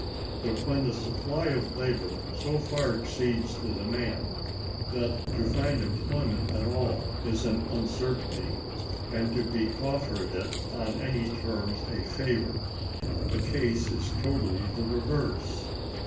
But when the supply of labor so far exceeds the demand that to find employment at all is an uncertainty, and to be offered it on any terms a favor, the case is totally the reverse.